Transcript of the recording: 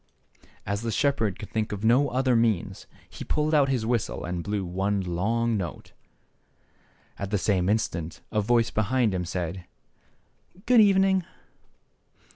As the shepherd could think of no other means, he pulled out his whistle and blew one long note. And at the same instant a voice behind him said " Good evening